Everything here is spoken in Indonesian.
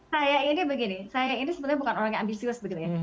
saya ini begini saya ini sebenarnya bukan orang yang ambisius begitu ya